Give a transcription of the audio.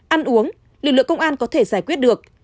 ăn uống lực lượng công an có thể giải quyết được